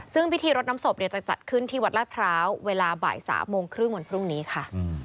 ซึ่งพิธีรดน้ำศพจะจัดขึ้นที่วัดลาดพร้าวเวลาบ่าย๓โมงครึ่งวันพรุ่งนี้ค่ะ